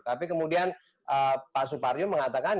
tapi kemudian pak suparjo mengatakan